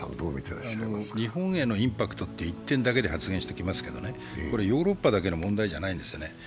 日本へのインパクトって１点だけで発言していますけどねヨーロッパだけの問題じゃないんですよね。